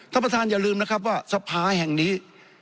ท่านประธานอย่าลืมนะครับว่าสภาแห่งนี้